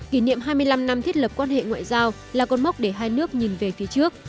kỷ niệm hai mươi năm năm thiết lập quan hệ ngoại giao là con mốc để hai nước nhìn về phía trước